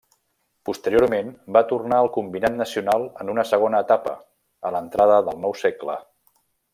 Posteriorment, va tornar al combinat nacional en una segona etapa, a l'entrada del nou segle.